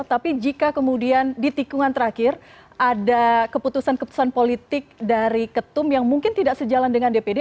tapi jika kemudian di tikungan terakhir ada keputusan keputusan politik dari ketum yang mungkin tidak sejalan dengan dpd